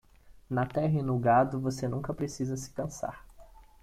Na terra e no gado, você nunca precisa se cansar.